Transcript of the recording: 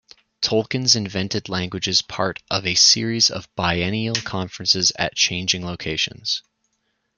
Tolkien's Invented Languages, part of a series of biennial conferences at changing locations.